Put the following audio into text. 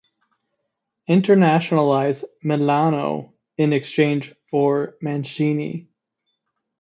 Internazionale Milano in exchange for Mancini.